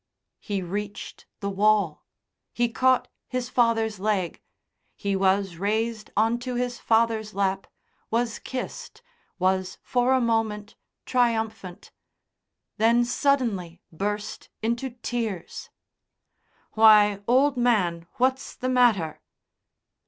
He reached the wall. He caught his father's leg. He was raised on to his father's lap, was kissed, was for a moment triumphant; then suddenly burst into tears. "Why, old man, what's the matter?"